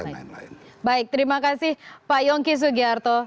baik terima kasih pak yongki sugiharto